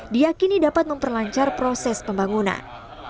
diakini dapat memperlancar proses pembangunan